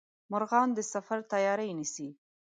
مرغان د سفر تیاري نیسي